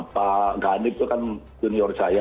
pak ganib itu kan junior saya